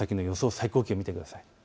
最高気温見てください。